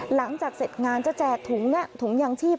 หลังจากเสร็จงานจะแจกถุงนี้ถุงยางชีพ